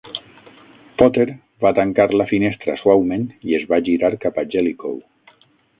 Potter va tancar la finestra suaument i es va girar cap a Jellicoe.